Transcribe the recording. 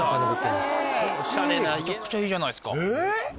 めちゃくちゃいいじゃないですか。